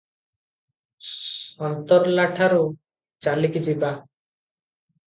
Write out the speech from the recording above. ଅନ୍ତର୍ଲାଠାରୁ ଚାଲିକି ଯିବା ।